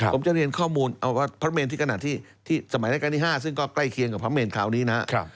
ผมจะเรียนข้อมูลพระเมนที่ขนาดที่สมัยราชการที่๕ซึ่งก็ใกล้เคียงกับพระเมนคราวนี้นะครับ